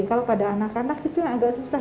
kalau pada anak anak itu yang agak susah